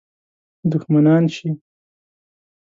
دښمنان شي.